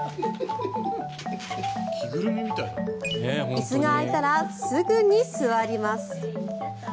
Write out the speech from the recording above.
椅子が空いたらすぐに座ります。